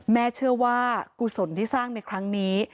เชื่อว่ากุศลที่สร้างในครั้งนี้